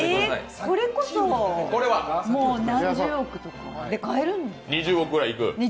これこそもう何十億とかで買えるんですか？